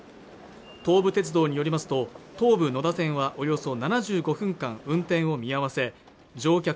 東武鉄道によりますと東武野田線はおよそ７５分間運転を見合わせ乗客